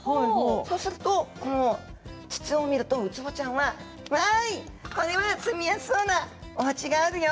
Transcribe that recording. そうすると筒を見るとウツボちゃんはこれは住みやすそうなおうちがあるよ！